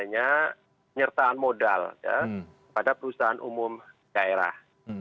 banyaknya penyertaan modal ya pada perusahaan umum daerah